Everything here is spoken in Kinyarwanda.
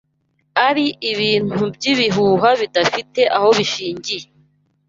ari ibintu by’ibihuha bidafite aho bishingiye